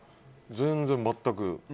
全然、全く。